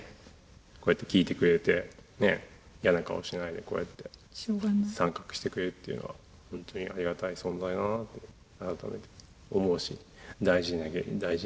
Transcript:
こうやって聞いてくれてね嫌な顔しないでこうやって参画してくれるっていうのは本当にありがたい存在だなって改めて思うし大事にしなきゃいけないなと思ってるわけですよ。